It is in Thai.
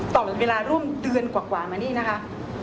ตลอดเวลาร่วมเดือนกว่ามานี่นะคะ